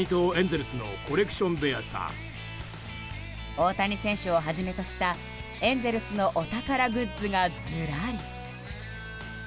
大谷選手をはじめとしたエンゼルスのお宝グッズがずらり。